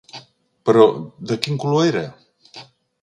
Però, de quin color era?